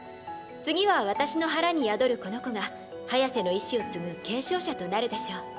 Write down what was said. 次は私の腹に宿るこの子がハヤセの意志を継ぐ継承者となるでしょう。